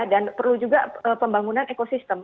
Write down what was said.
dan perlu juga pembangunan ekosistem